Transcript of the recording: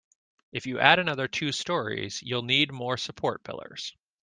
If you add another two storeys, you'll need more support pillars.